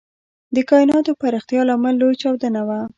د کائناتو پراختیا لامل لوی چاودنه وه.